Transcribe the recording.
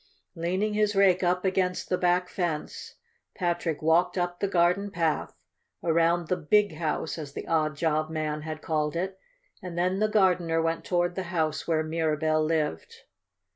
Leaning his rake up against the back fence, Patrick walked up the garden path, around the "Big House," as the odd job man had called it, and then the gardener went toward the house where Mirabell lived.